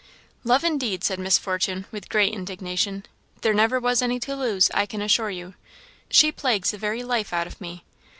"Love, indeed!" said Miss Fortune, with great indignation; "there never was any to lose, I can assure you. She plagues the very life out of me.